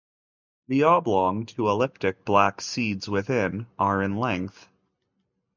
The oblong to elliptic black seeds within are in length.